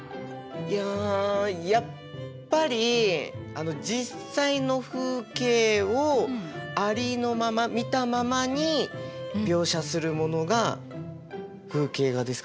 いややっぱり実際の風景をありのまま見たままに描写するものが風景画ですかね。